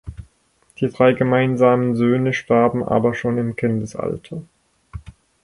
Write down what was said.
Die drei gemeinsamen Söhne starben aber schon im Kindesalter.